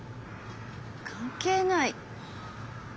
関係ない？